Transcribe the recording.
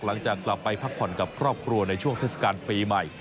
หลังจากกลับไปพักผ่อนกับครอบครัวในช่วงเทศกาลปีใหม่